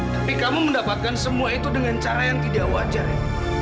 tapi kamu mendapatkan semua itu dengan cara yang tidak wajar ya